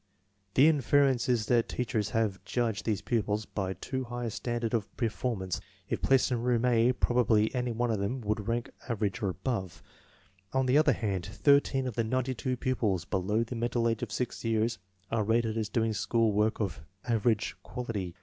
The inference is that teach ers have judged these pupils by too high a standard of performance. If placed in room A probably any one of them would rank average or above. On the other hand, 13 of the 98 pupils below the mental age of 6 years are rated as doing school work of " average " quality.